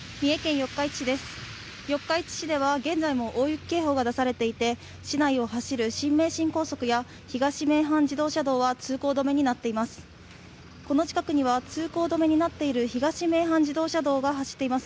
四日市市では現在も大雪警報が出されていて、市内を走る新名神高速や東名阪自動車道は通行止めになっています。